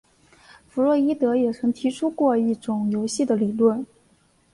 弗洛伊德也曾提出过一种游戏的理论。